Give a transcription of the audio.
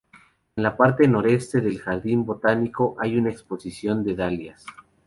En la parte noreste del jardín botánico, hay una exposición de dalias.